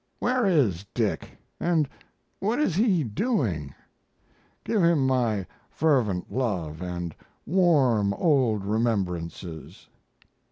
Where is Dick and what is he doing? Give him my fervent love and warm old remembrances.